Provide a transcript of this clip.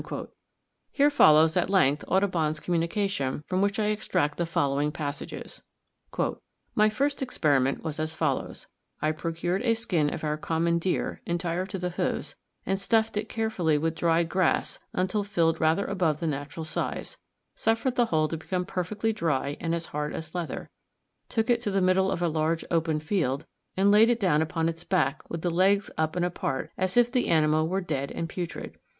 Here follows at length Audubon's communication, from which I extract the following passages: "My First Experiment was as follows: I procured a skin of our common deer, entire to the hoofs, and stuffed it carefully with dried grass until filled rather above the natural size, suffered the whole to become perfectly dry and as hard as leather took it to the middle of a large open field, and laid it down upon its back with the legs up and apart, as if the animal were dead and putrid.